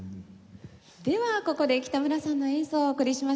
ではここで北村さんの演奏をお送りしましょう。